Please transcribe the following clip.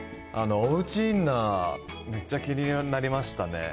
おうちインナー、めっちゃ気になりましたね。